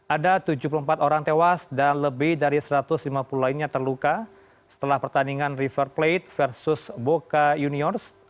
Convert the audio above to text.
ada tujuh puluh empat orang tewas dan lebih dari satu ratus lima puluh lainnya terluka setelah pertandingan river plate versus boca juniors